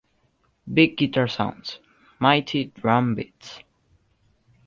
Big guitar sounds, mighty drum beats.